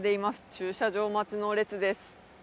駐車場待ちの列です。